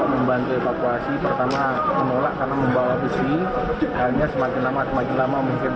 membantu evakuasi pertama menolak karena membawa besi hanya semakin lama semakin lama mungkin